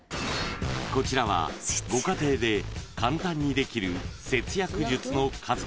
［こちらはご家庭で簡単にできる節約術の数々］